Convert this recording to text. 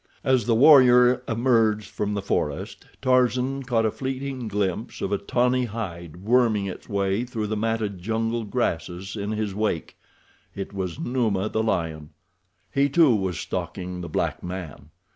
As the warrior emerged from the forest, Tarzan caught a fleeting glimpse of a tawny hide worming its way through the matted jungle grasses in his wake—it was Numa, the lion. He, too, was stalking the black man.